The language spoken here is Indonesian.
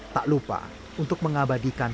tak lupa untuk mengabadikan